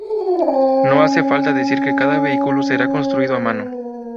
No hace falta decir que cada vehículo será construido a mano.